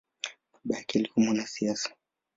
Baba yake alikua mwanasiasa.